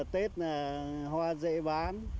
tết hoa dễ bán